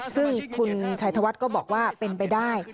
ซึ่งคุณชัยธวัฒน์ก็บอกว่าเป็นไปได้